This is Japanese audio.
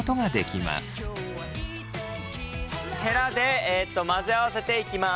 ヘラで混ぜ合わせていきます。